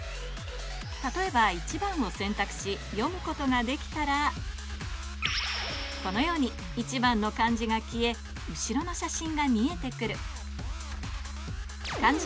例えば１番を選択し読むことができたらこのように１番の漢字が消え後ろの写真が見えて来る